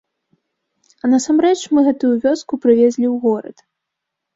А насамрэч, мы гэтую вёску прывезлі ў горад.